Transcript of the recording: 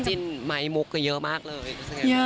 จิ้นไม้มุกก็เยอะมากเลย